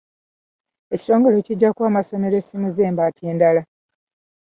Ekitongole kijja kuwa amasomero essimu z'embaati endala.